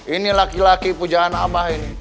ini laki laki pujaan abah ini